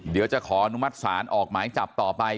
เดี๋ยวจะขออนุมัติศาลออกหมายจับต่อไป